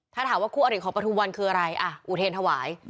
ถ้าถามว่าคู่อริของปฐุมวันคืออะไรอ่ะอุเทรนถวาย